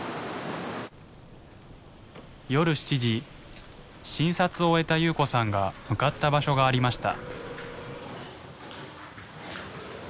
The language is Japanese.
夜７時診察を終えた夕子さんが向かった場所がありました。